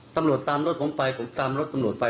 ตำรวจตามรถผมไปผมตามรถตำรวจไป